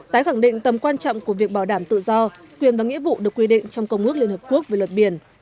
tái khẳng định tầm quan trọng của việc bảo đảm tự do quyền và nghĩa vụ được quy định trong công ước liên hợp quốc về luật biển